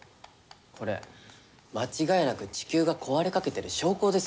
これ間違いなく地球が壊れかけてる証拠ですよ。